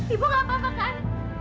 ibu apa apa kan